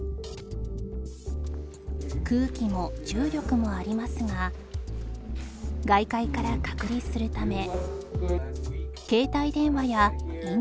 空気も重力もありますが外界から隔離するため